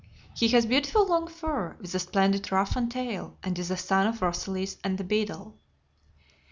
He has beautiful long fur, with a splendid ruff and tail, and is a son of Rosalys and The Beadle.